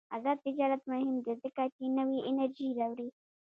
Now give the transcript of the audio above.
آزاد تجارت مهم دی ځکه چې نوې انرژي راوړي.